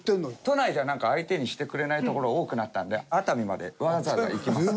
都内じゃ相手にしてくれないところが多くなったんで熱海までわざわざ行きます。